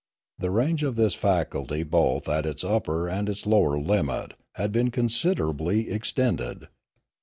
The range of this faculty both at its upper and its lower limit had been considerably extended.